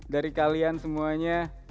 dari kalian semuanya